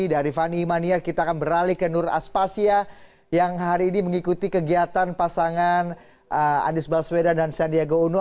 dari fani maniar kita akan beralih ke nur aspasya yang hari ini mengikuti kegiatan pasangan anies baswedan dan sandiaga uno